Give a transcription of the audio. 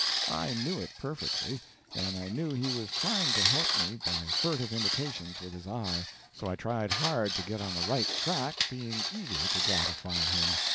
I knew it perfectly, and I knew he was trying to help me by furtive indications with his eye, so I tried hard to get on the right track, being eager to gratify him.